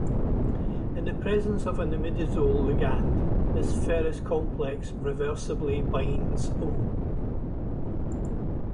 In the presence of an imidazole ligand, this ferrous complex reversibly binds O.